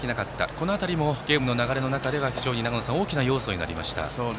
この辺りもゲームの流れの中では大きな要素になりました。